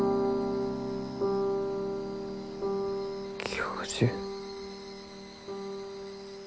教授？